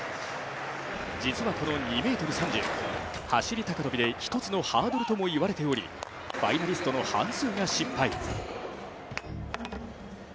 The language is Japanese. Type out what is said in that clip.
実はこの２ｍ３０、走高跳で一つのハードルとも言われておりファイナリストの半数が失敗。